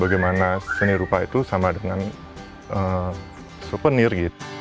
di mana seni rupa itu sama dengan souvenir